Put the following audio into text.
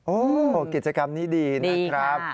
โอ้โหกิจกรรมนี้ดีนะครับ